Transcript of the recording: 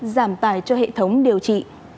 giảm tài cho hệ thống điều trị